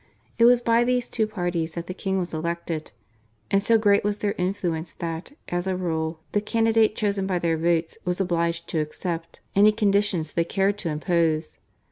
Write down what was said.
It was by these two parties that the king was elected, and so great was their influence that, as a rule, the candidate chosen by their votes was obliged to accept any conditions they cared to impose.